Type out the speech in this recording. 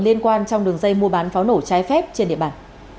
liên quan trong đường dây mua bán pháo nổ trái phép trên địa bàn